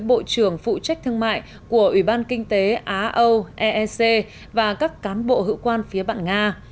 bộ trưởng phụ trách thương mại của ủy ban kinh tế á âu eec và các cán bộ hữu quan phía bạn nga